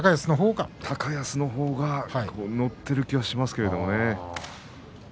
高安の方が乗っているという気がしますけれどもね。